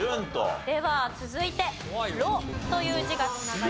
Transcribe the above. では続いて「路」という字が繋がり